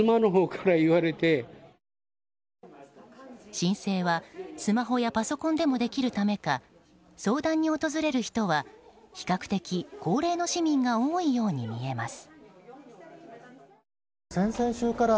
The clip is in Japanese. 申請はスマホやパソコンでもできるためか相談に訪れる人は比較的高齢の市民が多いように見えます。